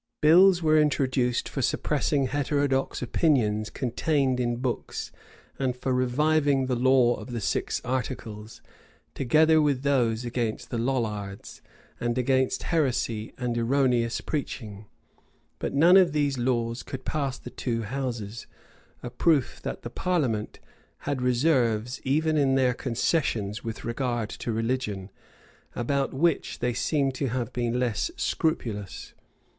Bills were introduced for suppressing heterodox opinions contained in books, and for reviving the law of the six articles, together with those against the Lollards, and against heresy and erroneous preaching; but none of these laws could pass the two houses: a proof that the parliament had reserves even in their concessions with regard to religion; about which they seem to have been less scrupulous.